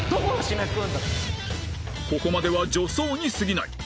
ここまでは助走に過ぎない